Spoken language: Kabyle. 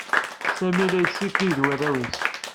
Sami la yessikil d warraw-is.